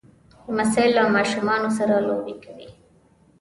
لمسی له ماشومو سره لوبې کوي.